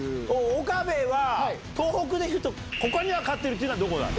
岡部は、東北でいうと、ここには勝ってるっていうのはどこだ？